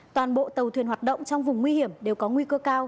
toàn bộ tàu thuyền hoạt động trong vùng nguy hiểm đều có nguy cơ cao